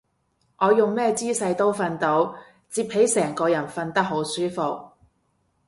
我用咩姿勢都瞓到，摺起成個人瞓得好舒服